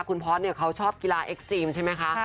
คุณพอร์ตเขาชอบกีฬาเอ็กซีมใช่ไหมคะ